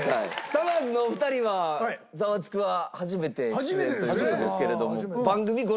さまぁずのお二人は『ザワつく！』は初めて出演という事ですけれども。